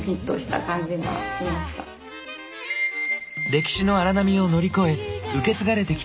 歴史の荒波を乗り越え受け継がれてきた「技」。